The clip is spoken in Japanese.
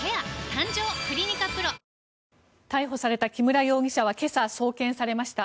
逮捕された木村容疑者は今朝、送検されました。